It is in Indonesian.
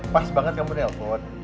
pas banget kamu berdialpon